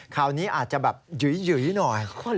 คราวนี้อาจจะแบบหยุยหน่อย